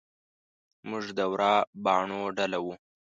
موږ د ورا باڼو ډله وو.